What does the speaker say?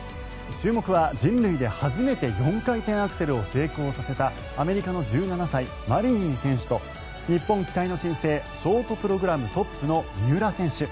注目は人類で初めて４回転アクセルを成功させたアメリカの１７歳マリニン選手と日本期待の新星ショートプログラムトップの三浦選手。